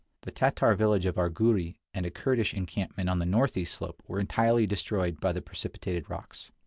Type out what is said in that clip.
The Tatar village of Arghuri and a Kurdish encampment on the northeast slope were entirely destroyed by the precipitated rocks.